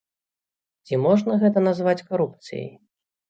Ці можна гэта назваць карупцыяй?